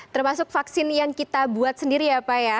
termasuk vaksin yang kita buat sendiri ya pak ya